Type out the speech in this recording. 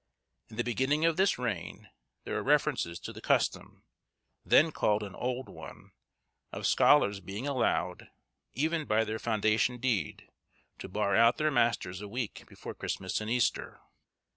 In the beginning of this reign there are references to the custom, then called an old one, of scholars being allowed, even by their foundation deed, to bar out their masters a week before Christmas and Easter.